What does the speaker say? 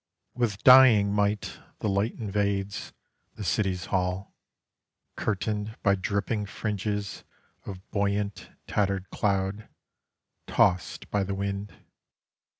With dying might The light invades The city's hall: Curtained by dripping fringes Of buoyant tattered cloud, Tossed by the wind.